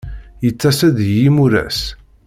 Yettas-d deg yimuras.